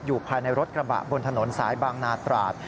อยู่ภายในรถกระบะบนถนนสายบางนาตราด